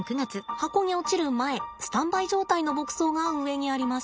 箱に落ちる前スタンバイ状態の牧草が上にあります。